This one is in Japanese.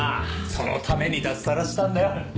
そのために脱サラしたんだよ。